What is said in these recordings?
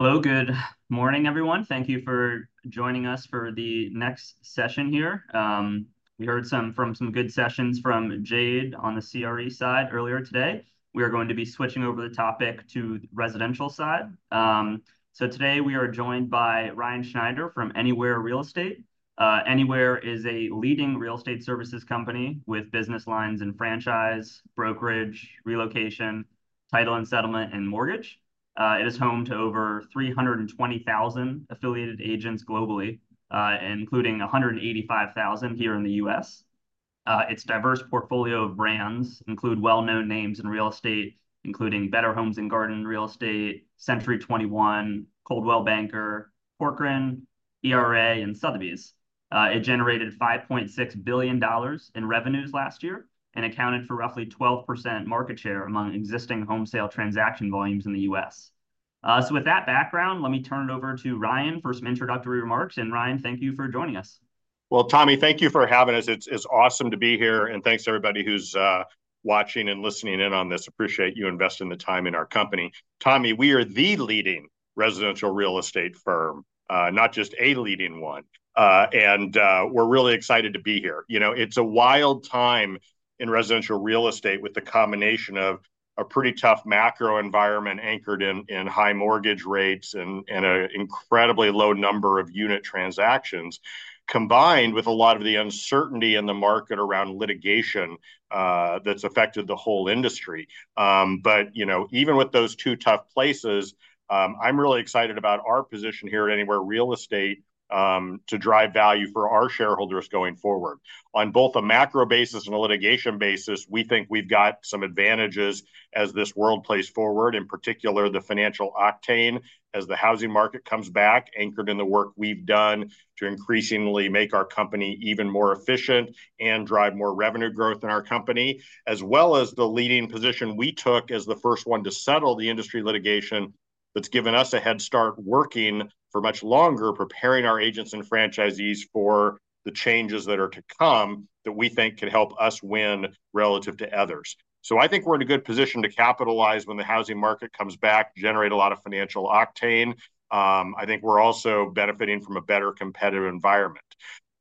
Hello, good morning, everyone. Thank you for joining us for the next session here. We heard from some good sessions from Jade on the CRE side earlier today. We are going to be switching over the topic to the residential side. So today we are joined by Ryan Schneider from Anywhere Real Estate. Anywhere is a leading real estate services company with business lines in franchise, brokerage, relocation, title and settlement, and mortgage. It is home to over 320,000 affiliated agents globally, including 185,000 here in the US. Its diverse portfolio of brands include well-known names in real estate, including Better Homes and Gardens Real Estate, Century 21, Coldwell Banker, Corcoran, ERA, and Sotheby's. It generated $5.6 billion in revenues last year and accounted for roughly 12% market share among existing home sale transaction volumes in the U.S. So with that background, let me turn it over to Ryan for some introductory remarks, and, Ryan, thank you for joining us. Well, Tommy, thank you for having us. It's awesome to be here, and thanks to everybody who's watching and listening in on this. Appreciate you investing the time in our company. Tommy, we are the leading residential real estate firm, not just a leading one. And we're really excited to be here. You know, it's a wild time in residential real estate, with the combination of a pretty tough macro environment anchored in high mortgage rates and an incredibly low number of unit transactions, combined with a lot of the uncertainty in the market around litigation that's affected the whole industry. But you know, even with those two tough places, I'm really excited about our position here at Anywhere Real Estate to drive value for our shareholders going forward. On both a macro basis and a litigation basis, we think we've got some advantages as this world plays forward, in particular, the financial octane, as the housing market comes back, anchored in the work we've done to increasingly make our company even more efficient and drive more revenue growth in our company, as well as the leading position we took as the first one to settle the industry litigation. That's given us a head start working for much longer, preparing our agents and franchisees for the changes that are to come, that we think can help us win relative to others. So I think we're in a good position to capitalize when the housing market comes back, generate a lot of financial octane. I think we're also benefiting from a better competitive environment.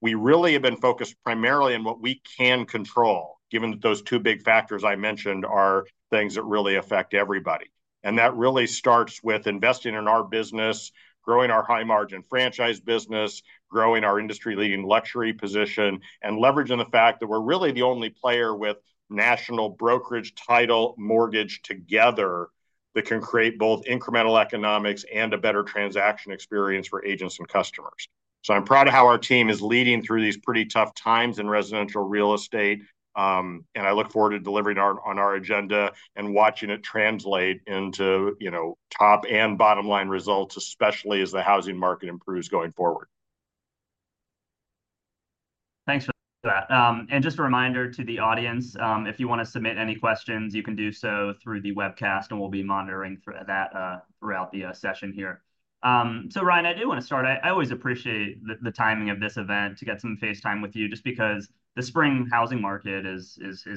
We really have been focused primarily on what we can control, given that those two big factors I mentioned are things that really affect everybody. That really starts with investing in our business, growing our high-margin franchise business, growing our industry-leading luxury position, and leveraging the fact that we're really the only player with national brokerage title mortgage together, that can create both incremental economics and a better transaction experience for agents and customers. I'm proud of how our team is leading through these pretty tough times in residential real estate, and I look forward to delivering on our agenda and watching it translate into, you know, top and bottom line results, especially as the housing market improves going forward. Thanks for that. Just a reminder to the audience, if you want to submit any questions, you can do so through the webcast, and we'll be monitoring through that throughout the session here. So Ryan, I do wanna start. I always appreciate the timing of this event to get some face time with you, just because the spring housing market is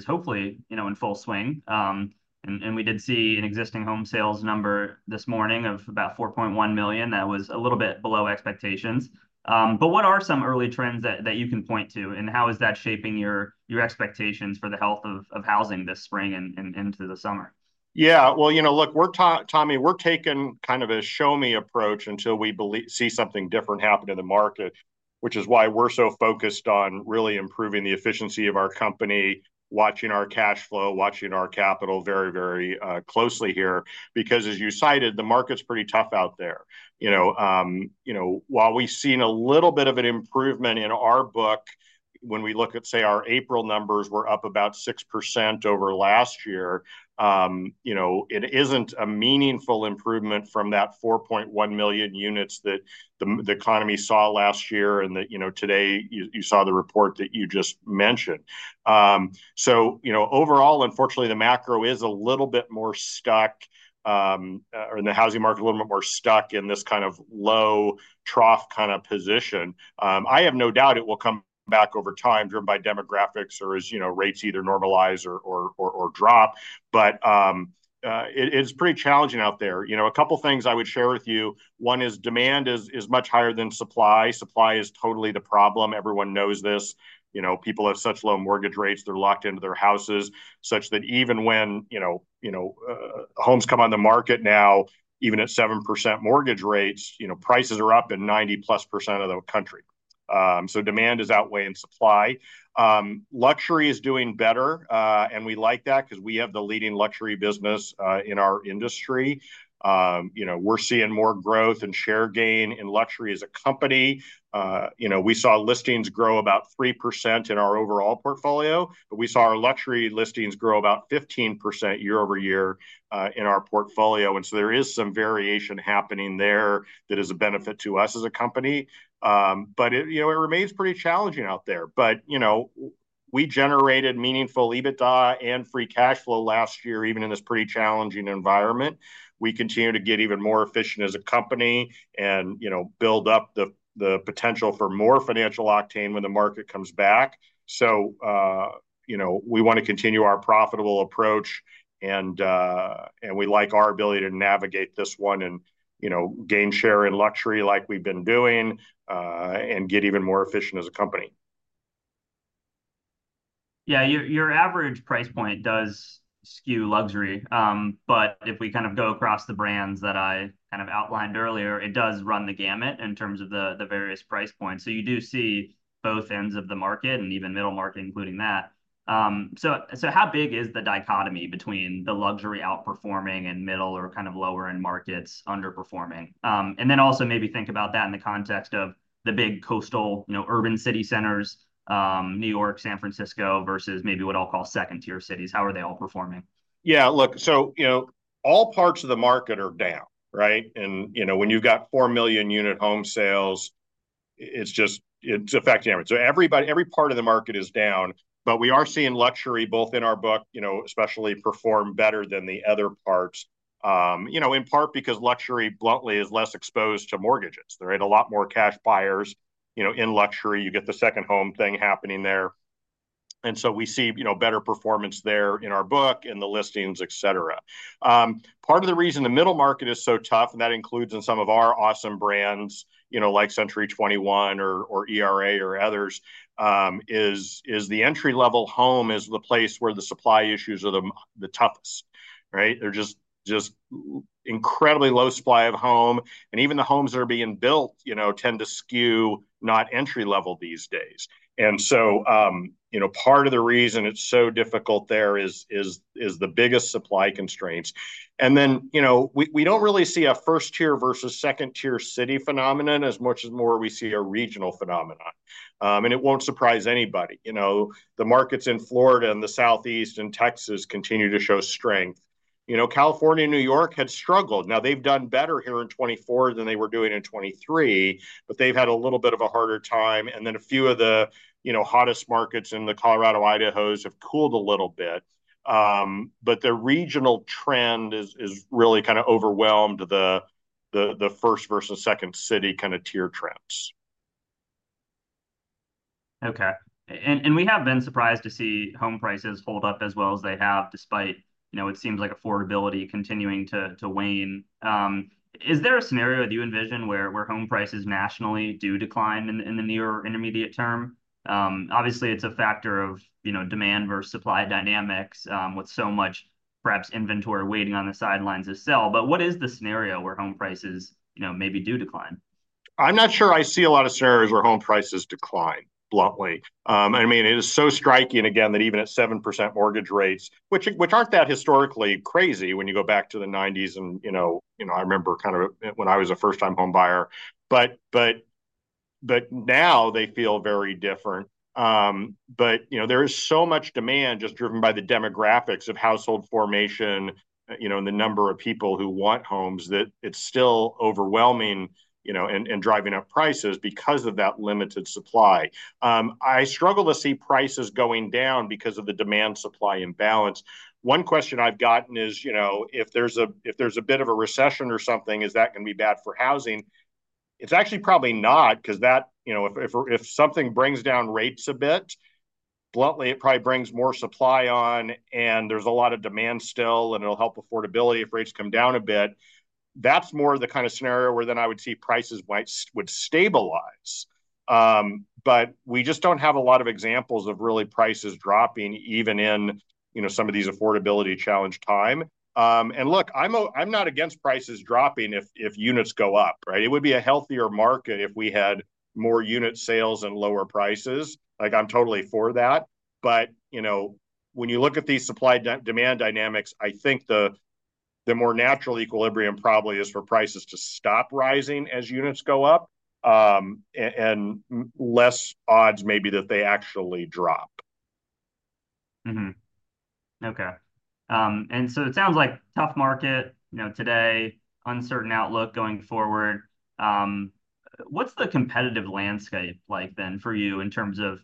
hopefully, you know, in full swing. We did see an existing home sales number this morning of about 4.1 million. That was a little bit below expectations. But what are some early trends that you can point to, and how is that shaping your expectations for the health of housing this spring and into the summer? Yeah. Well, you know, look, we're taking kind of a show me approach until we see something different happen in the market, which is why we're so focused on really improving the efficiency of our company, watching our cash flow, watching our capital very, very closely here. Because as you cited, the market's pretty tough out there. You know, you know, while we've seen a little bit of an improvement in our book, when we look at, say, our April numbers were up about 6% over last year, you know, it isn't a meaningful improvement from that 4.1 million units that the economy saw last year, and that, you know, today, you saw the report that you just mentioned. So, you know, overall, unfortunately, the macro is a little bit more stuck, and the housing market a little bit more stuck in this kind of low trough kind of position. I have no doubt it will come back over time, driven by demographics or as, you know, rates either normalize or drop. But, it's pretty challenging out there. You know, a couple things I would share with you: one is demand is much higher than supply. Supply is totally the problem. Everyone knows this. You know, people have such low mortgage rates, they're locked into their houses, such that even when, you know, homes come on the market now, even at 7% mortgage rates, you know, prices are up at 90%+ of the country. So demand is outweighing supply. Luxury is doing better, and we like that, 'cause we have the leading luxury business in our industry. You know, we're seeing more growth and share gain in luxury as a company. You know, we saw listings grow about 3% in our overall portfolio, but we saw our luxury listings grow about 15% year-over-year in our portfolio, and so there is some variation happening there that is a benefit to us as a company. But it, you know, it remains pretty challenging out there. But, you know, we generated meaningful EBITDA and free cash flow last year, even in this pretty challenging environment. We continue to get even more efficient as a company and, you know, build up the, the potential for more Financial Octane when the market comes back. So, you know, we wanna continue our profitable approach, and we like our ability to navigate this one and, you know, gain share in luxury like we've been doing, and get even more efficient as a company. Yeah, your average price point does skew luxury. But if we kind of go across the brands that I kind of outlined earlier, it does run the gamut in terms of the various price points. So you do see both ends of the market, and even middle market, including that. So how big is the dichotomy between the luxury outperforming and middle or kind of lower-end markets underperforming? And then also maybe think about that in the context of the big coastal, you know, urban city centers, New York, San Francisco, versus maybe what I'll call second-tier cities. How are they all performing? Yeah, look, so, you know, all parts of the market are down, right? And, you know, when you've got 4 million unit home sales, it's just. It's affecting everything. So everybody, every part of the market is down, but we are seeing luxury, both in our book, you know, especially perform better than the other parts. You know, in part because luxury, bluntly, is less exposed to mortgages, right? A lot more cash buyers, you know, in luxury. You get the second home thing happening there. And so we see, you know, better performance there in our book, in the listings, et cetera. Part of the reason the middle market is so tough, and that includes in some of our awesome brands, you know, like CENTURY 21 or, or ERA or others, is the entry-level home is the place where the supply issues are the toughest, right? There's just incredibly low supply of home, and even the homes that are being built, you know, tend to skew not entry level these days. And so, you know, part of the reason it's so difficult there is the biggest supply constraints. And then, you know, we don't really see a first-tier versus second-tier city phenomenon, as much as more we see a regional phenomenon. And it won't surprise anybody. You know, the markets in Florida, and the Southeast, and Texas continue to show strength. You know, California and New York had struggled. Now they've done better here in 2024 than they were doing in 2023, but they've had a little bit of a harder time. And then a few of the, you know, hottest markets in the Colorado, Idahos have cooled a little bit. But the regional trend is really kind of overwhelmed the first versus second city kind of tier trends. Okay. We have been surprised to see home prices hold up as well as they have, despite, you know, it seems like affordability continuing to wane. Is there a scenario that you envision where home prices nationally do decline in the near or intermediate term? Obviously it's a factor of, you know, demand versus supply dynamics, with so much perhaps inventory waiting on the sidelines to sell. But what is the scenario where home prices, you know, maybe do decline? I'm not sure I see a lot of scenarios where home prices decline, bluntly. I mean, it is so striking, again, that even at 7% mortgage rates, which aren't that historically crazy when you go back to the 1990s, and, you know. You know, I remember kind of when I was a first-time home buyer. But now they feel very different. But, you know, there is so much demand just driven by the demographics of household formation, you know, and the number of people who want homes, that it's still overwhelming, you know, and, and driving up prices because of that limited supply. I struggle to see prices going down because of the demand-supply imbalance. One question I've gotten is, you know, "If there's a bit of a recession or something, is that gonna be bad for housing?" It's actually probably not, 'cause that. You know, if something brings down rates a bit, bluntly, it probably brings more supply on, and there's a lot of demand still, and it'll help affordability if rates come down a bit. That's more of the kind of scenario where then I would see prices would stabilize. But we just don't have a lot of examples of really prices dropping even in, you know, some of these affordability challenged time. And look, I'm not against prices dropping if units go up, right? It would be a healthier market if we had more unit sales and lower prices. Like, I'm totally for that. But, you know, when you look at these supply-demand dynamics, I think the more natural equilibrium probably is for prices to stop rising as units go up, and maybe less odds that they actually drop. Mm-hmm. Okay. And so it sounds like tough market, you know, today, uncertain outlook going forward. What's the competitive landscape like then for you, in terms of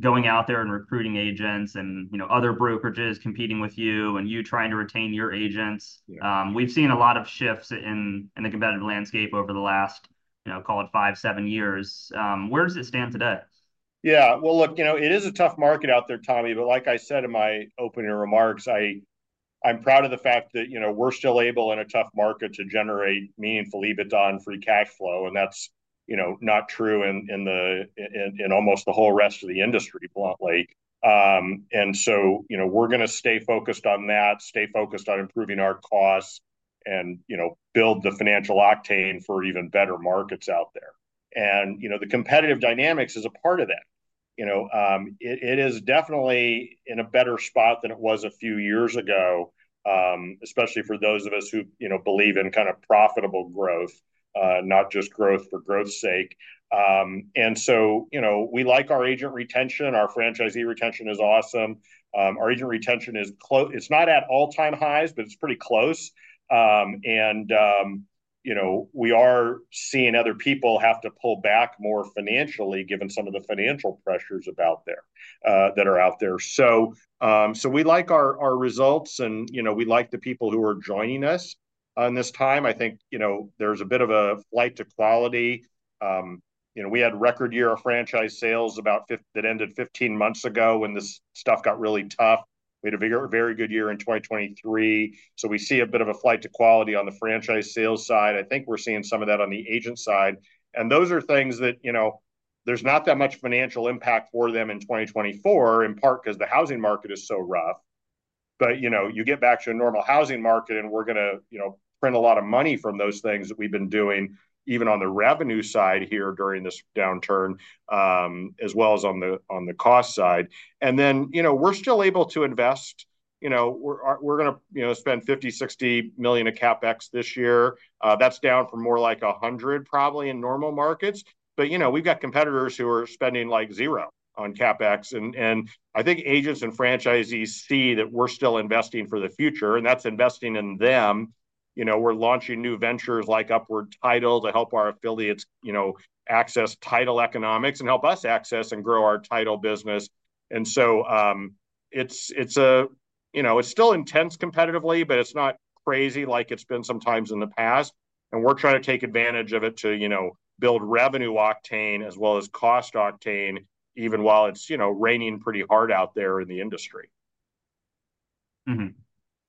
going out there and recruiting agents and, you know, other brokerages competing with you, and you trying to retain your agents? Yeah. We've seen a lot of shifts in the competitive landscape over the last, you know, call it five to seven years. Where does it stand today? Yeah. Well, look, you know, it is a tough market out there, Tommy, but like I said in my opening remarks, I'm proud of the fact that, you know, we're still able, in a tough market, to generate meaningful EBITDA and free cash flow, and that's, you know, not true in almost the whole rest of the industry, bluntly. And so, you know, we're gonna stay focused on that, stay focused on improving our costs, and, you know, build the financial octane for even better markets out there. And, you know, the competitive dynamics is a part of that. You know, it is definitely in a better spot than it was a few years ago, especially for those of us who, you know, believe in kind of profitable growth, not just growth for growth's sake. And so, you know, we like our agent retention. Our franchisee retention is awesome. Our agent retention is. It's not at all-time highs, but it's pretty close. And, you know, we are seeing other people have to pull back more financially, given some of the financial pressures out there that are out there. So, so we like our, our results and, you know, we like the people who are joining us in this time. I think, you know, there's a bit of a flight to quality. You know, we had record year of franchise sales that ended 15 months ago, when this stuff got really tough. We had a bigger, very good year in 2023, so we see a bit of a flight to quality on the franchise sales side. I think we're seeing some of that on the agent side, and those are things that, you know, there's not that much financial impact for them in 2024, in part 'cause the housing market is so rough. But, you know, you get back to a normal housing market, and we're gonna, you know, print a lot of money from those things that we've been doing, even on the revenue side here during this downturn, as well as on the cost side. And then, you know, we're still able to invest. You know, we're gonna, you know, spend $50 million-$60 million of CapEx this year. That's down from more like $100 million, probably, in normal markets. But, you know, we've got competitors who are spending, like, zero on CapEx, and, and I think agents and franchisees see that we're still investing for the future, and that's investing in them. You know, we're launching new ventures, like Upward Title, to help our affiliates, you know, access title economics and help us access and grow our title business. And so, it's still intense competitively, but it's not crazy like it's been sometimes in the past. And we're trying to take advantage of it to, you know, build revenue octane as well as cost octane, even while it's, you know, raining pretty hard out there in the industry. Mm-hmm.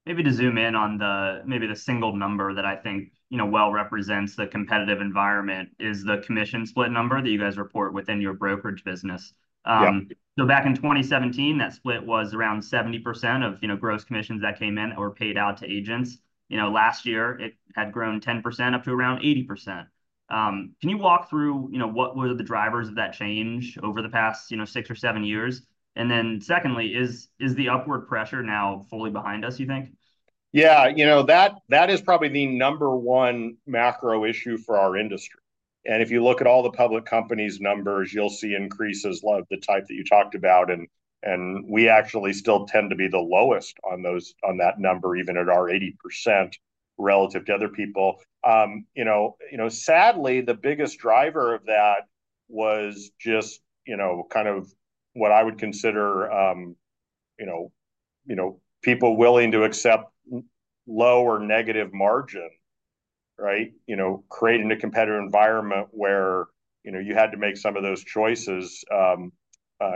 Maybe to zoom in on the, maybe the single number that I think, you know, well represents the competitive environment, is the commission split number that you guys report within your brokerage business. Yeah. So back in 2017, that split was around 70% of, you know, gross commissions that came in or paid out to agents. You know, last year, it had grown 10%, up to around 80%. Can you walk through, you know, what were the drivers of that change over the past, you know, six or seven years? And then secondly, is, is the upward pressure now fully behind us, you think? Yeah, you know, that, that is probably the number one macro issue for our industry. And if you look at all the public companies' numbers, you'll see increases of the type that you talked about, and we actually still tend to be the lowest on those, on that number, even at our 80%, relative to other people. You know, sadly, the biggest driver of that was just, you know, kind of what I would consider, you know, people willing to accept low or negative margin, right? You know, creating a competitive environment where, you know, you had to make some of those choices,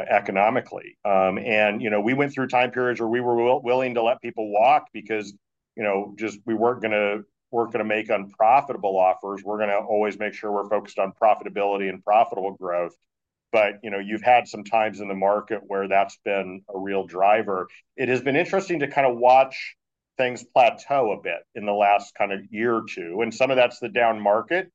economically. And, you know, we went through time periods where we were willing to let people walk because, you know, just we weren't gonna make unprofitable offers. We're gonna always make sure we're focused on profitability and profitable growth. But, you know, you've had some times in the market where that's been a real driver. It has been interesting to kind of watch things plateau a bit in the last kind of year or two, and some of that's the down market,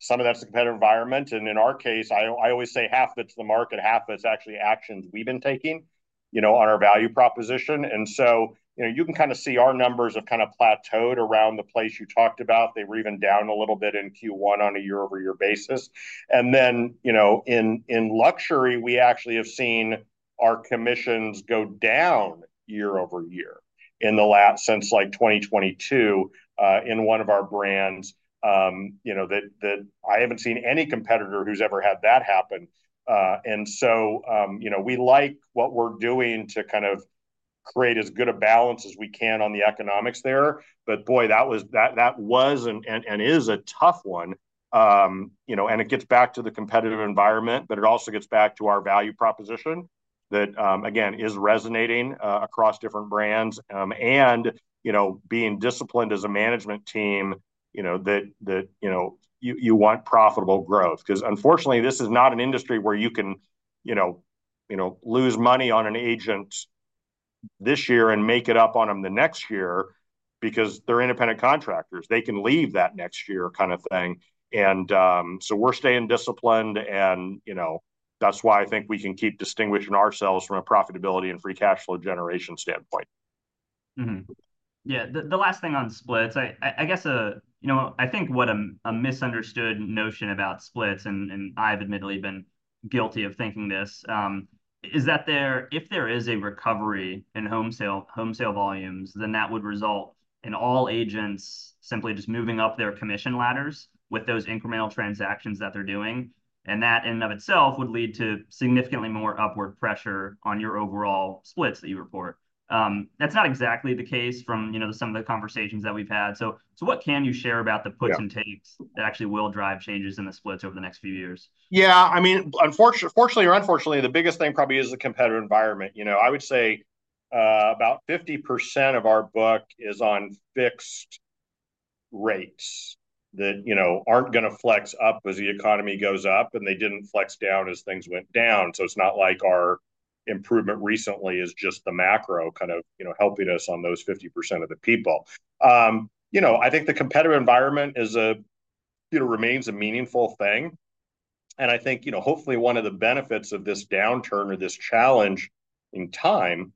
some of that's the competitive environment, and in our case, I always say half of it's the market, half of it's actually actions we've been taking, you know, on our value proposition. And so, you know, you can kind of see our numbers have kind of plateaued around the place you talked about. They were even down a little bit in Q1 on a year-over-year basis. And then, you know, in luxury, we actually have seen our commissions go down year over year in the last... Since, like, 2022, in one of our brands. You know, that I haven't seen any competitor who's ever had that happen. And so, you know, we like what we're doing to kind of create as good a balance as we can on the economics there, but boy, that was and is a tough one. You know, and it gets back to the competitive environment, but it also gets back to our value proposition that, again, is resonating across different brands. And, you know, being disciplined as a management team, you know, that you want profitable growth. 'Cause unfortunately, this is not an industry where you can, you know, you know, lose money on an agent this year and make it up on them the next year, because they're independent contractors. They can leave that next year kind of thing. So we're staying disciplined and, you know, that's why I think we can keep distinguishing ourselves from a profitability and free cash flow generation standpoint. Mm-hmm. Yeah, the last thing on splits, I guess, you know, I think what a misunderstood notion about splits, and I've admittedly been guilty of thinking this, is that there—if there is a recovery in home sale, home sale volumes, then that would result in all agents simply just moving up their commission ladders with those incremental transactions that they're doing, and that in and of itself would lead to significantly more upward pressure on your overall splits that you report. That's not exactly the case from, you know, some of the conversations that we've had. So, what can you share about the- Yeah puts and takes that actually will drive changes in the splits over the next few years? Yeah, I mean, fortunately or unfortunately, the biggest thing probably is the competitive environment. You know, I would say about 50% of our book is on fixed rates that, you know, aren't gonna flex up as the economy goes up, and they didn't flex down as things went down. So it's not like our improvement recently is just the macro kind of, you know, helping us on those 50% of the people. You know, I think the competitive environment is a, you know, remains a meaningful thing, and I think, you know, hopefully, one of the benefits of this downturn or this challenge in time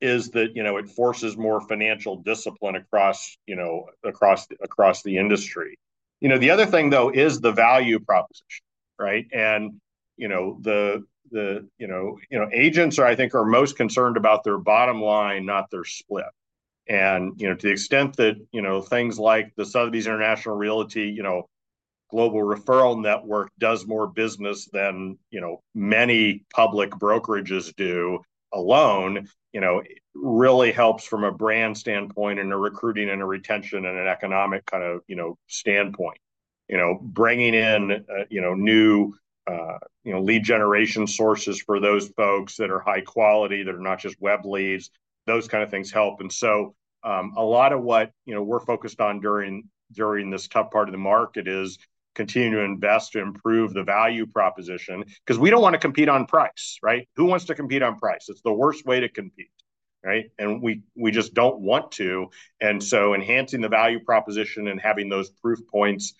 is that, you know, it forces more financial discipline across the industry. You know, the other thing, though, is the value proposition, right? You know, the agents are, I think, most concerned about their bottom line, not their split. You know, to the extent that, you know, things like the Sotheby's International Realty, you know, global referral network does more business than, you know, many public brokerages do alone, you know, it really helps from a brand standpoint, and a recruiting and a retention and an economic kind of, you know, standpoint. You know, bringing in, you know, new, you know, lead generation sources for those folks that are high quality, that are not just web leads, those kind of things help. So, a lot of what, you know, we're focused on during this tough part of the market is continue to invest to improve the value proposition. 'Cause we don't wanna compete on price, right? Who wants to compete on price? It's the worst way to compete, right? And we, we just don't want to. And so enhancing the value proposition and having those proof points,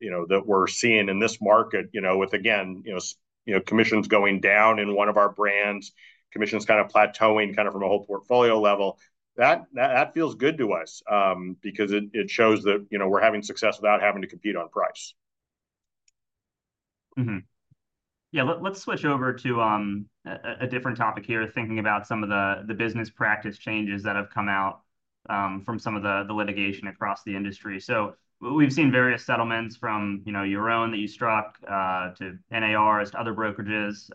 you know, that we're seeing in this market, you know, with, again, you know, you know, commissions going down in one of our brands, commissions kind of plateauing, kind of from a whole portfolio level, that, that, that feels good to us, because it, it shows that, you know, we're having success without having to compete on price. Mm-hmm. Yeah, let's switch over to a different topic here, thinking about some of the business practice changes that have come out from some of the litigation across the industry. So we've seen various settlements from, you know, your own that you struck to NAR's, to other brokerages,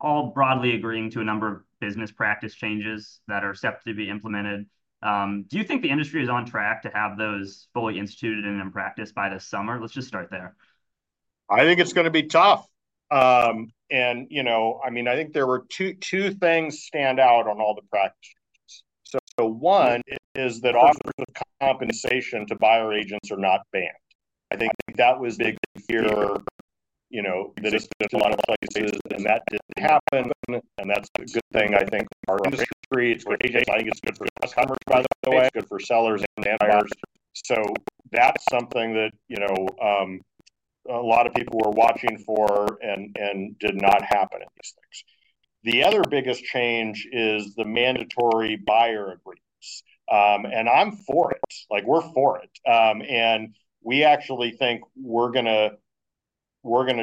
all broadly agreeing to a number of business practice changes that are set to be implemented. Do you think the industry is on track to have those fully instituted and in practice by this summer? Let's just start there. I think it's gonna be tough. And you know, I mean, I think there were two things stand out on all the practice. So one is that offers of compensation to buyer agents are not banned. I think that was big here, you know, that existed in a lot of places, and that didn't happen, and that's a good thing, I think, for our industry. It's good for agents. I think it's good for customers, by the way. It's good for sellers and buyers. So that's something that, you know, a lot of people were watching for and did not happen in these things. The other biggest change is the mandatory buyer agreements. And I'm for it, like, we're for it. And we actually think we're gonna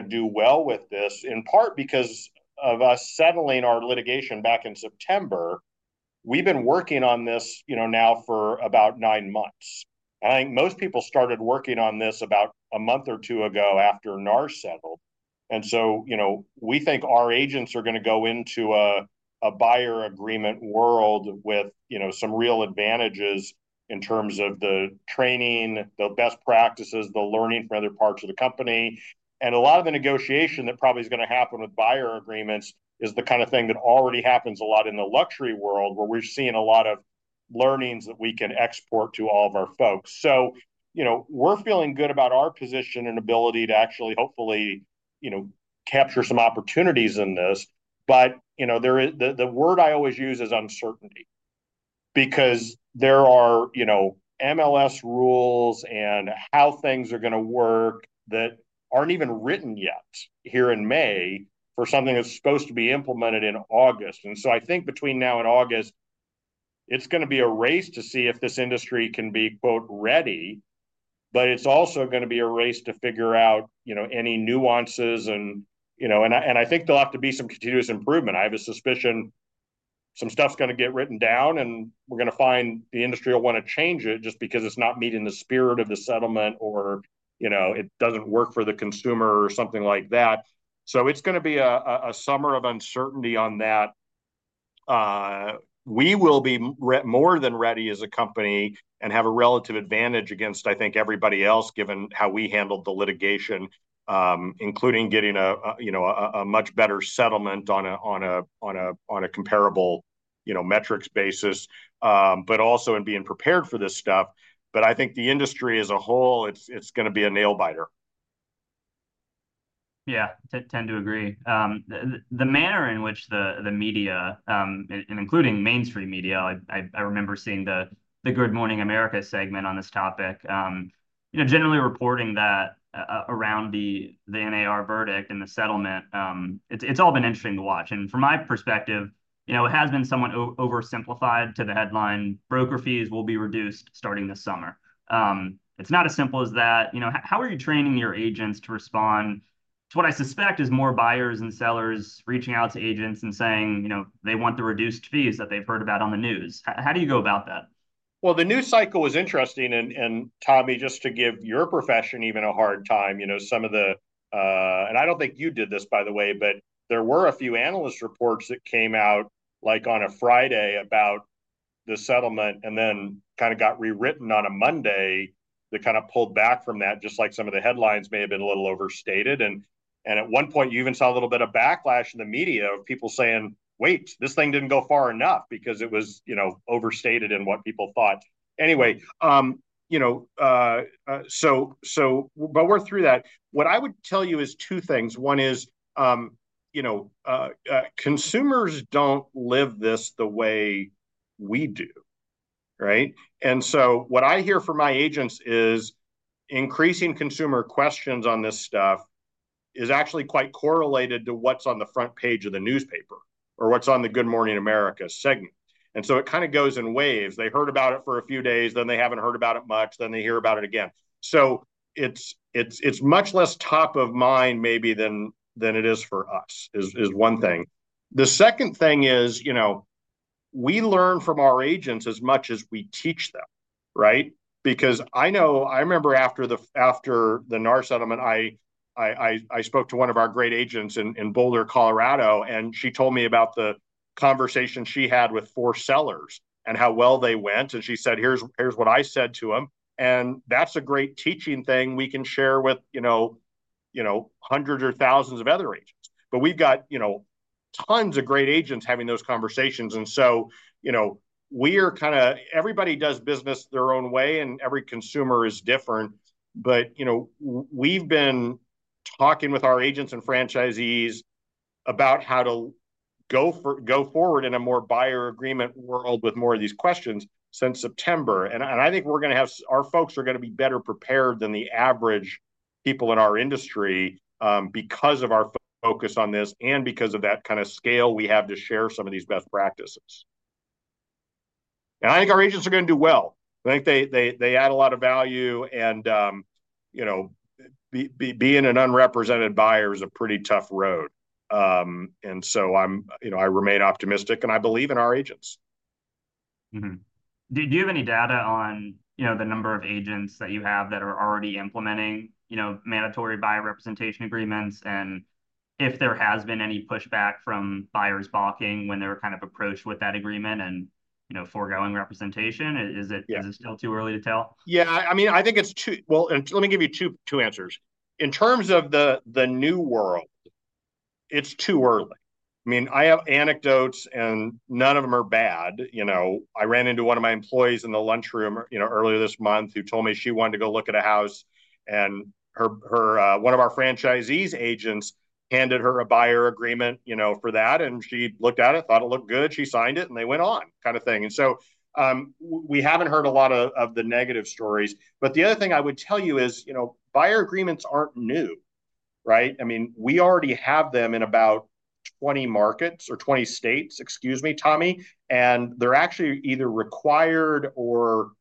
do well with this, in part because of us settling our litigation back in September. We've been working on this, you know, now for about nine months. I think most people started working on this about a month or two ago after NAR settled. And so, you know, we think our agents are gonna go into a buyer agreement world with, you know, some real advantages in terms of the training, the best practices, the learning from other parts of the company. And a lot of the negotiation that probably is gonna happen with buyer agreements is the kind of thing that already happens a lot in the luxury world, where we're seeing a lot of learnings that we can export to all of our folks. So, you know, we're feeling good about our position and ability to actually, hopefully, you know, capture some opportunities in this. But, you know, the word I always use is uncertainty. Because there are, you know, MLS rules and how things are gonna work that aren't even written yet, here in May, for something that's supposed to be implemented in August. And so I think between now and August, it's gonna be a race to see if this industry can be, quote, "ready," but it's also gonna be a race to figure out, you know, any nuances and... You know, and I think there'll have to be some continuous improvement. I have a suspicion some stuff's gonna get written down, and we're gonna find the industry will wanna change it, just because it's not meeting the spirit of the settlement or, you know, it doesn't work for the consumer, or something like that. So it's gonna be a summer of uncertainty on that. We will be more than ready as a company and have a relative advantage against, I think, everybody else, given how we handled the litigation, including getting a, you know, a much better settlement on a comparable, you know, metrics basis, but also in being prepared for this stuff. But I think the industry as a whole, it's gonna be a nail biter. Yeah. Tend to agree. The manner in which the media, and including mainstream media, I remember seeing the Good Morning America segment on this topic, you know, generally reporting that around the NAR verdict and the settlement, it's all been interesting to watch. And from my perspective, you know, it has been somewhat oversimplified to the headline, Broker fees will be reduced starting this summer. It's not as simple as that. You know, how are you training your agents to respond to what I suspect is more buyers and sellers reaching out to agents and saying, you know, they want the reduced fees that they've heard about on the news? How do you go about that? Well, the news cycle was interesting, and Tommy, just to give your profession even a hard time, you know, some of and I don't think you did this, by the way, but there were a few analyst reports that came out, like, on a Friday, about the settlement, and then kind of got rewritten on a Monday, that kind of pulled back from that, just like some of the headlines may have been a little overstated. And at one point, you even saw a little bit of backlash in the media, of people saying, Wait, this thing didn't go far enough, because it was, you know, overstated in what people thought. Anyway, you know, so, but we're through that. What I would tell you is two things. One is, you know, consumers don't live this the way we do, right? And so what I hear from my agents is, increasing consumer questions on this stuff is actually quite correlated to what's on the front page of the newspaper or what's on the Good Morning America segment. And so it kind of goes in waves. They heard about it for a few days, then they haven't heard about it much, then they hear about it again. So it's much less top of mind maybe than it is for us, is one thing. The second thing is, you know, we learn from our agents as much as we teach them, right? Because I know, I remember after the after the NAR settlement, I spoke to one of our great agents in Boulder, Colorado, and she told me about the conversation she had with four sellers and how well they went, and she said, Here's what I said to them. And that's a great teaching thing we can share with, you know, hundreds or thousands of other agents. But we've got, you know, tons of great agents having those conversations, and so, you know, we are kind of, everybody does business their own way, and every consumer is different, but, you know, we've been talking with our agents and franchisees about how to go forward in a more buyer agreement world with more of these questions since September. And I think we're going have. Our folks are gonna be better prepared than the average people in our industry, because of our focus on this, and because of that kind of scale we have to share some of these best practices. I think our agents are gonna do well. I think they add a lot of value, and, you know, being an unrepresented buyer is a pretty tough road. And so I'm, you know, I remain optimistic, and I believe in our agents. Mm-hmm. Do you have any data on, you know, the number of agents that you have that are already implementing, you know, mandatory buyer representation agreements, and if there has been any pushback from buyers balking when they were kind of approached with that agreement and, you know, forgoing representation? Yeah. Is it, is it still too early to tell? Yeah, I mean, I think it's too... Well, let me give you two answers. In terms of the new world, it's too early. I mean, I have anecdotes, and none of them are bad. You know, I ran into one of my employees in the lunchroom, you know, earlier this month, who told me she wanted to go look at a house, and one of our franchisee's agents handed her a buyer agreement, you know, for that, and she looked at it, thought it looked good, she signed it, and they went on, kind of thing. And so, we haven't heard a lot of the negative stories. But the other thing I would tell you is, you know, buyer agreements aren't new, right? I mean, we already have them in about 20 markets, or 20 states, excuse me, Tommy, and they're actually either required or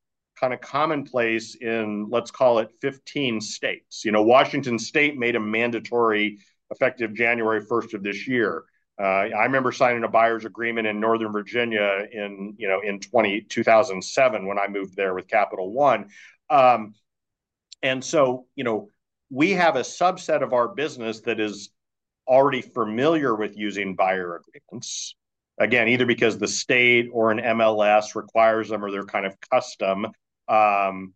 kind of commonplace in, let's call it, 15 states. You know, Washington State made them mandatory effective January 1st of this year. I remember signing a buyer's agreement in Northern Virginia in, you know, in 2007, when I moved there with Capital One. And so, you know, we have a subset of our business that is already familiar with using buyer agreements. Again, either because the state or an MLS requires them or they're kind of custom. And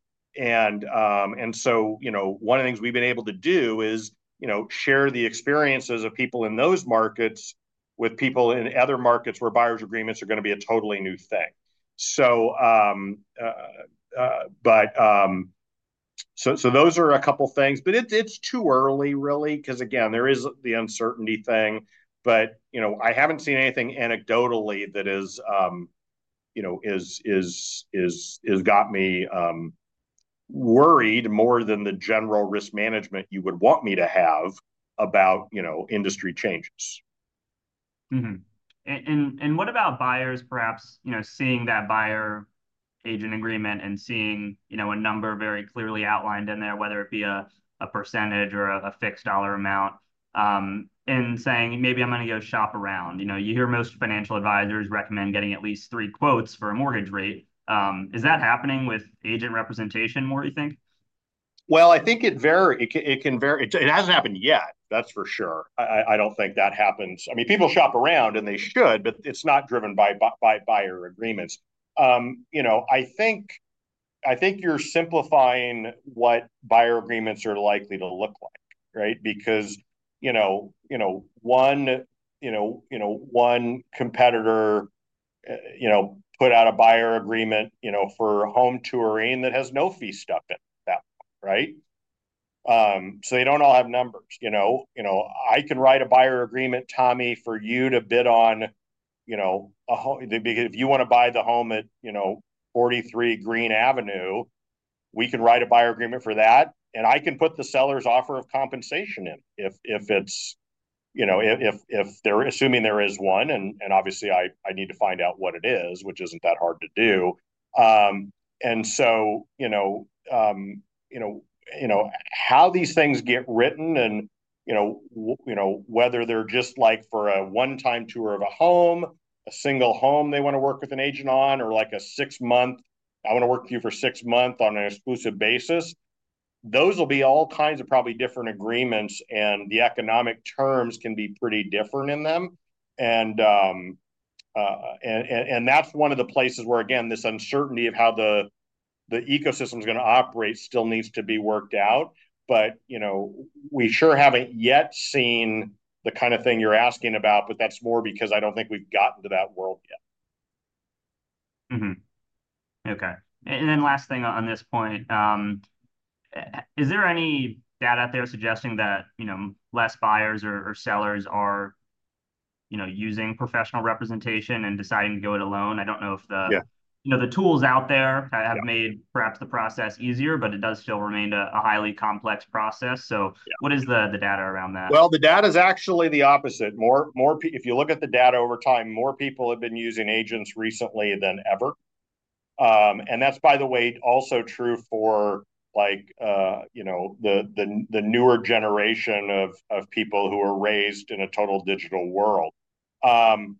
so, you know, one of the things we've been able to do is, you know, share the experiences of people in those markets with people in other markets where buyer's agreements are gonna be a totally new thing. So those are a couple things, but it's too early, really, 'cause, again, there is the uncertainty thing. But, you know, I haven't seen anything anecdotally that is, you know, has got me worried more than the general risk management you would want me to have about, you know, industry changes. Mm-hmm. And what about buyers perhaps, you know, seeing that buyer agent agreement and seeing, you know, a number very clearly outlined in there, whether it be a percentage or a fixed dollar amount, and saying, "Maybe I'm gonna go shop around"? You know, you hear most financial advisors recommend getting at least three quotes for a mortgage rate. Is that happening with agent representation more, you think? Well, I think it can vary. It hasn't happened yet, that's for sure. I don't think that happens. I mean, people shop around, and they should, but it's not driven by buyer agreements. You know, I think you're simplifying what buyer agreements are likely to look like, right? Because, you know, one competitor put out a buyer agreement for home touring that has no fee stuck in that, right? So they don't all have numbers, you know. You know, I can write a buyer agreement, Tommy, for you to bid on, you know, if you wanna buy the home at, you know, 43 Green Avenue, we can write a buyer agreement for that, and I can put the seller's offer of compensation in, if it's, you know, if there, assuming there is one, and obviously I need to find out what it is, which isn't that hard to do. And so, you know, you know, how these things get written and, you know, whether they're just, like, for a one-time tour of a home, a single home they wanna work with an agent on, or, like, a six-month, "I wanna work with you for six months on an exclusive basis," those will be all kinds of probably different agreements, and the economic terms can be pretty different in them. And that's one of the places where, again, this uncertainty of how the ecosystem's gonna operate still needs to be worked out. But, you know, we sure haven't yet seen the kind of thing you're asking about, but that's more because I don't think we've gotten to that world yet. Mm-hmm. Okay. And then last thing on this point, is there any data out there suggesting that, you know, less buyers or sellers are, you know, using professional representation and deciding to go it alone? I don't know if the- Yeah... you know, the tools out there- Yeah... have made perhaps the process easier, but it does still remain a highly complex process. Yeah. So what is the data around that? Well, the data's actually the opposite. If you look at the data over time, more people have been using agents recently than ever. And that's, by the way, also true for, like, you know, the newer generation of people who were raised in a total digital world. And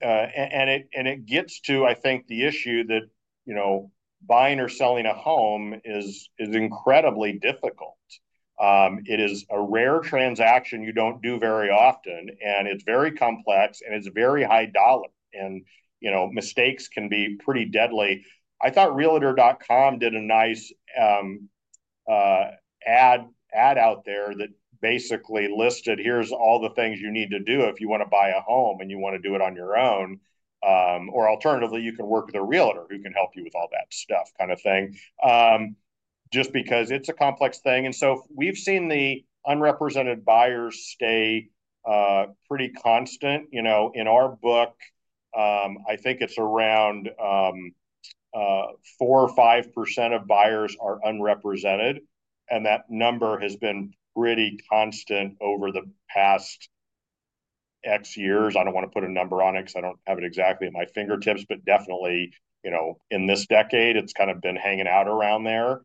it gets to, I think, the issue that, you know, buying or selling a home is incredibly difficult.... It is a rare transaction you don't do very often, and it's very complex, and it's very high dollar, and, you know, mistakes can be pretty deadly. I thought Realtor.com did a nice ad out there that basically listed, "Here's all the things you need to do if you wanna buy a home and you wanna do it on your own. or alternatively, you can work with a Realtor who can help you with all that stuff," kind of thing. Just because it's a complex thing, and so we've seen the unrepresented buyers stay, pretty constant. You know, in our book, I think it's around 4% or 5% of buyers are unrepresented, and that number has been pretty constant over the past 10 years. I don't wanna put a number on it, 'cause I don't have it exactly at my fingertips, but definitely, you know, in this decade, it's kind of been hanging out around there.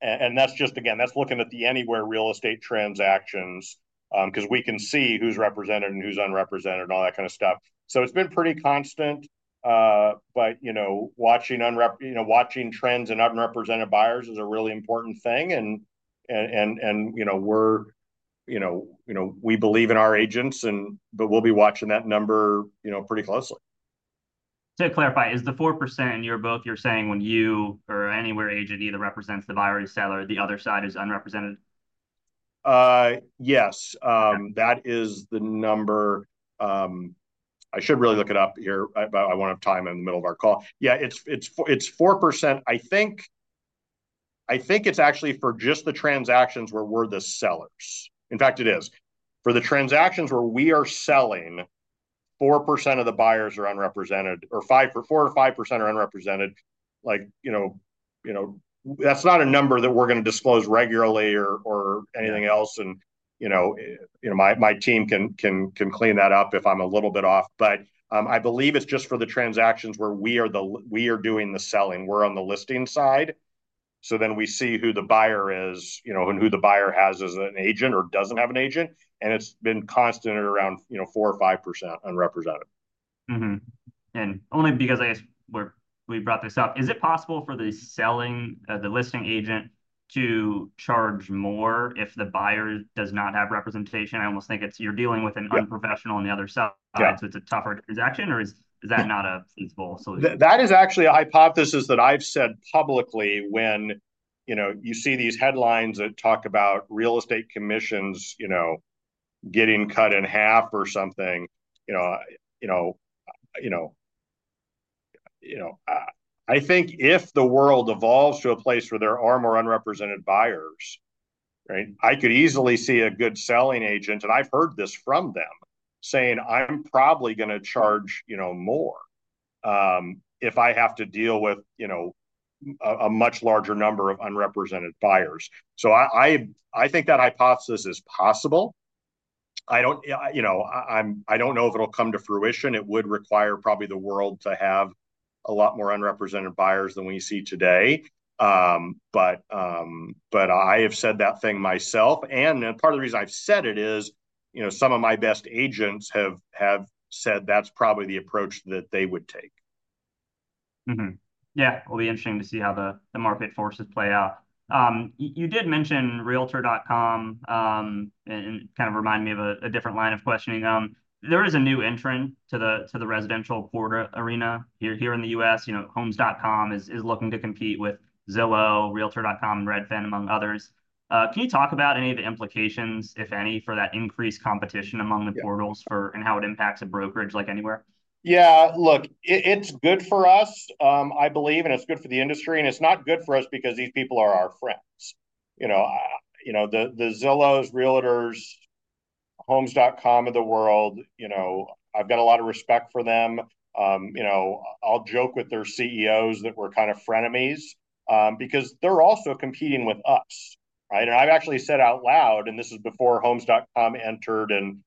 And that's just... Again, that's looking at the Anywhere Real Estate transactions, 'cause we can see who's represented and who's unrepresented, and all that kind of stuff. So it's been pretty constant, but, you know, watching trends in unrepresented buyers is a really important thing, and, you know, we're, you know, we believe in our agents, and but we'll be watching that number, you know, pretty closely. To clarify, is the 4%, you're both, you're saying when you or Anywhere agent either represents the buyer or seller, the other side is unrepresented? Uh, yes. Okay. That is the number. I should really look it up here, but I won't have time in the middle of our call. Yeah, it's, it's four, it's 4%. I think, I think it's actually for just the transactions where we're the sellers. In fact, it is. For the transactions where we are selling, 4% of the buyers are unrepresented, or 5%, or 4%-5% are unrepresented. Like, you know, you know, that's not a number that we're gonna disclose regularly or, or anything else, and, you know, my, my team can, can, can clean that up if I'm a little bit off. But, I believe it's just for the transactions where we are doing the selling, we're on the listing side, so then we see who the buyer is, you know, and who the buyer has as an agent or doesn't have an agent, and it's been constant at around, you know, 4%-5% unrepresented. Mm-hmm. And only because, I guess, we brought this up, is it possible for the selling, the listing agent to charge more if the buyer does not have representation? I almost think it's you're dealing with an- Yeah... unprofessional on the other side- Yeah... so it's a tougher transaction, or is that not a feasible solution? That is actually a hypothesis that I've said publicly when, you know, you see these headlines that talk about real estate commissions, you know, getting cut in half or something, you know, you know, I think if the world evolves to a place where there are more unrepresented buyers, right, I could easily see a good selling agent, and I've heard this from them, saying, I'm probably gonna charge, you know, more, if I have to deal with, you know, a much larger number of unrepresented buyers. So I think that hypothesis is possible. I don't, you know, I don't know if it'll come to fruition. It would require probably the world to have a lot more unrepresented buyers than we see today. But I have said that thing myself, and part of the reason I've said it is, you know, some of my best agents have said that's probably the approach that they would take. Mm-hmm. Yeah, it'll be interesting to see how the market forces play out. You did mention realtor.com, and it kind of reminded me of a different line of questioning. There is a new entrant to the residential portal arena here in the U.S. You know, Homes.com is looking to compete with Zillow, realtor.com, and Redfin, among others. Can you talk about any of the implications, if any, for that increased competition among the- Yeah... portals for, and how it impacts a brokerage like Anywhere? Yeah, look, it's good for us, I believe, and it's good for the industry, and it's not good for us because these people are our friends. You know, you know, the Zillow, realtor.com, Homes.com of the world, you know, I've got a lot of respect for them. You know, I'll joke with their CEOs that we're kind of frenemies, because they're also competing with us, right? And I've actually said out loud, and this is before Homes.com entered, and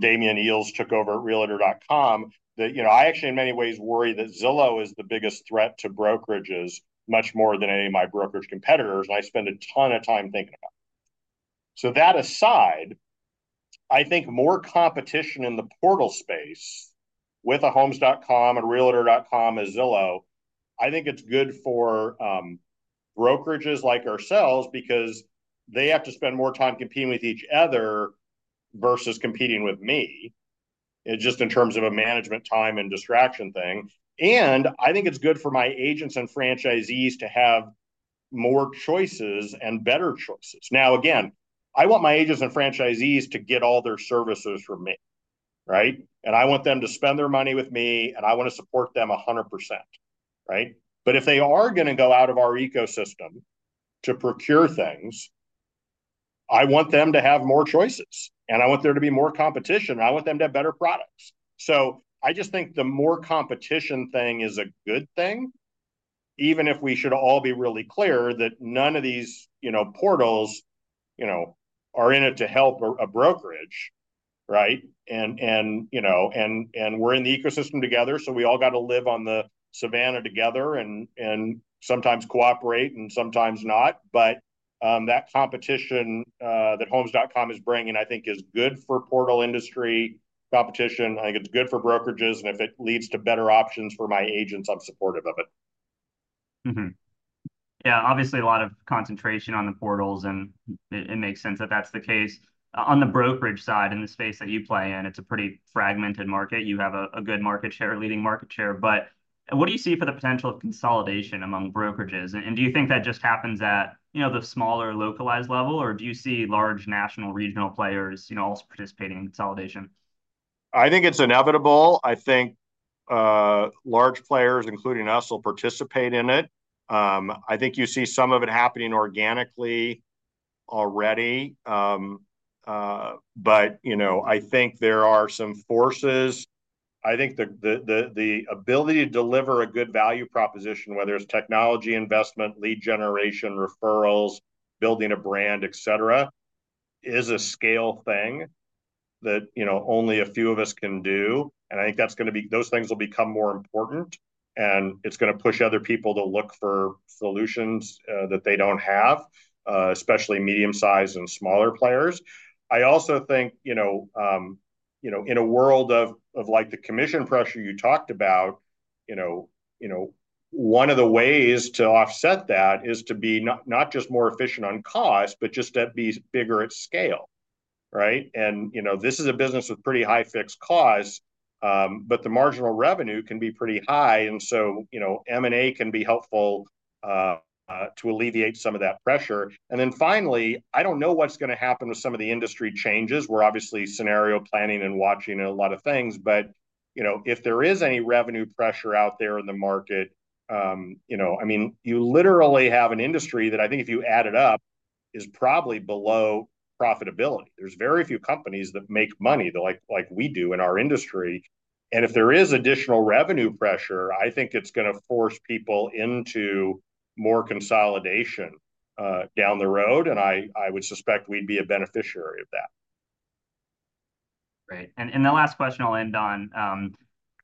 Damian Eales took over at realtor.com, that, you know, I actually in many ways worry that Zillow is the biggest threat to brokerages, much more than any of my brokerage competitors, and I spend a ton of time thinking about it. So that aside, I think more competition in the portal space with a Homes.com, a realtor.com, a Zillow, I think it's good for brokerages like ourselves because they have to spend more time competing with each other versus competing with me, and just in terms of a management, time, and distraction thing. I think it's good for my agents and franchisees to have more choices and better choices. Now, again, I want my agents and franchisees to get all their services from me, right? I want them to spend their money with me, and I wanna support them 100%, right? But if they are gonna go out of our ecosystem to procure things, I want them to have more choices, and I want there to be more competition, and I want them to have better products. So I just think the more competition thing is a good thing, even if we should all be really clear that none of these, you know, portals, you know, are in it to help a brokerage, right? And you know, we're in the ecosystem together, so we all going to live on the savanna together and sometimes cooperate and sometimes not. But that competition that Homes.com is bringing, I think is good for portal industry competition. I think it's good for brokerages, and if it leads to better options for my agents, I'm supportive of it. Mm-hmm. Yeah, obviously a lot of concentration on the portals, and it makes sense that that's the case. On the brokerage side, in the space that you play in, it's a pretty fragmented market. You have a good market share, leading market share, but what do you see for the potential of consolidation among brokerages? And do you think that just happens at, you know, the smaller, localized level, or do you see large national, regional players, you know, also participating in consolidation? I think it's inevitable. I think, large players, including us, will participate in it. I think you see some of it happening organically already. But, you know, I think there are some forces. I think the ability to deliver a good value proposition, whether it's technology investment, lead generation, referrals, building a brand, et cetera, is a scale thing that, you know, only a few of us can do, and I think that's going be—those things will become more important, and it's gonna push other people to look for solutions, that they don't have, especially medium-sized and smaller players. I also think, you know, you know, in a world of, like, the commission pressure you talked about, you know, you know, one of the ways to offset that is to be not just more efficient on cost, but just to be bigger at scale, right? You know, this is a business with pretty high fixed costs, but the marginal revenue can be pretty high, and so, you know, M&A can be helpful to alleviate some of that pressure. Then finally, I don't know what's gonna happen with some of the industry changes. We're obviously scenario planning and watching a lot of things, but, you know, if there is any revenue pressure out there in the market, you know. I mean, you literally have an industry that I think if you add it up, is probably below profitability. There's very few companies that make money the like, like we do in our industry, and if there is additional revenue pressure, I think it's going to force people into more consolidation down the road, and I would suspect we'd be a beneficiary of that. Great. And the last question I'll end on,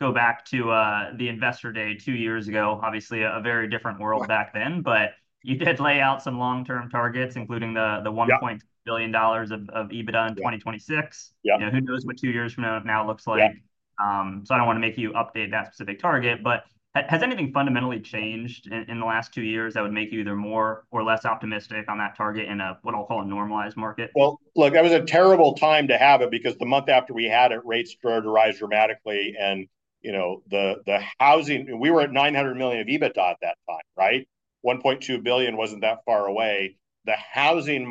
go back to the Investor Day two years ago. Obviously, a very different world back then, but you did lay out some long-term targets, including the- Yeah... the $1 billion of EBITDA in 2026. Yeah. You know, who knows what two years from now, now looks like? Yeah. So, I don't want to make you update that specific target, but has anything fundamentally changed in the last two years that would make you either more or less optimistic on that target in a, what I'll call a normalized market? Well, look, it was a terrible time to have it because the month after we had it, rates started to rise dramatically and, you know, the, the housing, we were at $900 million of EBITDA at that time, right? $1.2 billion wasn't that far away. The housing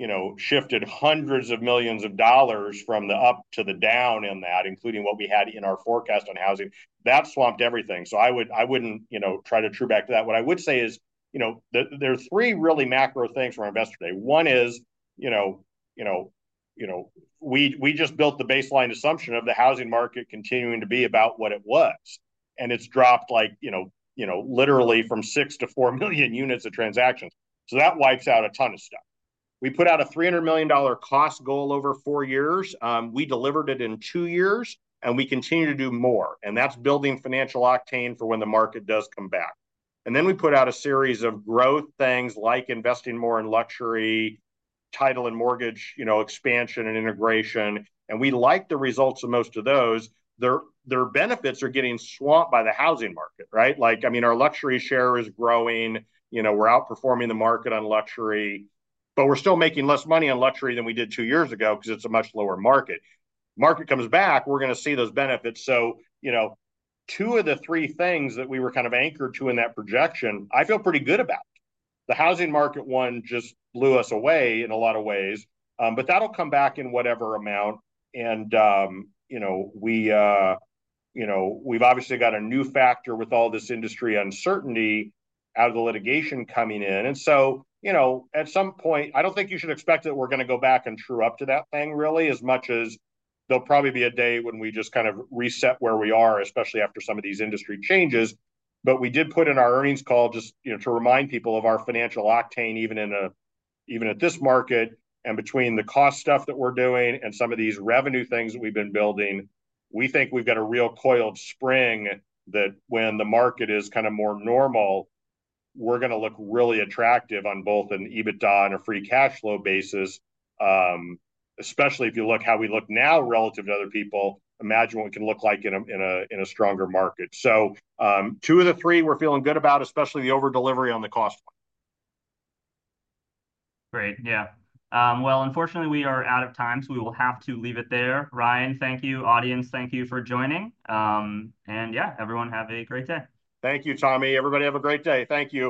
market, you know, shifted hundreds of millions of dollars from the up to the down in that, including what we had in our forecast on housing. That swamped everything, so I would... I wouldn't, you know, try to true back to that. What I would say is, you know, there, there are three really macro things from our Investor Day. One is, you know, we just built the baseline assumption of the housing market continuing to be about what it was, and it's dropped like, you know, literally from 6 million-4 million units of transactions, so that wipes out a ton of stuff. We put out a $300 million cost goal over four years. We delivered it in two years, and we continue to do more, and that's building financial octane for when the market does come back. And then we put out a series of growth things, like investing more in luxury, title and mortgage, you know, expansion and integration, and we like the results of most of those. Their benefits are getting swamped by the housing market, right? Like, I mean, our luxury share is growing. You know, we're outperforming the market on luxury, but we're still making less money on luxury than we did two years ago 'cause it's a much lower market. Market comes back, we're gonna see those benefits. So, you know, two of the three things that we were kind of anchored to in that projection, I feel pretty good about. The housing market one just blew us away in a lot of ways, but that'll come back in whatever amount. You know, we, you know, we've obviously got a new factor with all this industry uncertainty out of the litigation coming in, and so, you know, at some point, I don't think you should expect that we're gonna go back and true up to that thing really, as much as there'll probably be a day when we just kind of reset where we are, especially after some of these industry changes. But we did put in our earnings call just, you know, to remind people of our Financial Octane, even at this market, and between the cost stuff that we're doing and some of these revenue things that we've been building, we think we've got a real coiled spring, that when the market is kind of more normal, we're gonna look really attractive on both an EBITDA and a Free Cash Flow basis. Especially if you look how we look now relative to other people, imagine what we can look like in a stronger market. So, two of the three we're feeling good about, especially the over-delivery on the cost point. Great. Yeah. Well, unfortunately, we are out of time, so we will have to leave it there. Ryan, thank you. Audience, thank you for joining. And yeah, everyone, have a great day. Thank you, Tommy. Everybody, have a great day. Thank you.